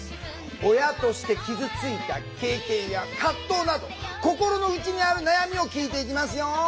親として傷ついた経験や葛藤など心の内にある悩みを聞いていきますよ。